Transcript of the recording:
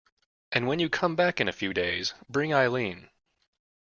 And when you come back in a few days, bring Eileen.